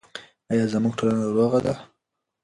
آیا زموږ ټولنه روغه ده؟